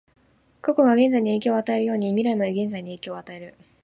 過去が現在に影響を与えるように、未来も現在に影響を与える。